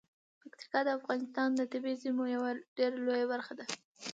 پکتیکا د افغانستان د طبیعي زیرمو یوه ډیره لویه برخه ده.